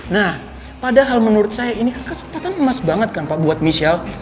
nah padahal menurut saya ini kan kesempatan emas banget kan pak buat michelle